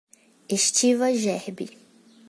Estiva Gerbi